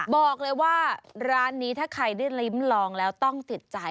บอกเลยว่าร้านนี้ถ้าใครได้ลิ้มลองแล้วต้องติดใจ